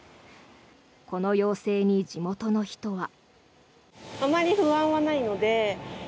この要請に地元の人は。